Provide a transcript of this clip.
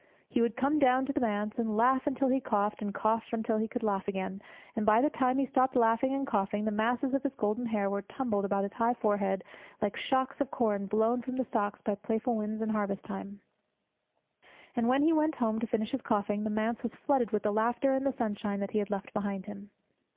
He would come down to the Manse and laugh until he coughed, and cough until he could laugh again, and, by the time that he stopped laughing and coughing, the masses of his golden hair were tumbled about his high forehead like shocks of corn blown from the stocks by playful winds in harvest time; and when he went home to finish his coughing, the Manse was flooded with the laughter and the sunshine that he had left behind him.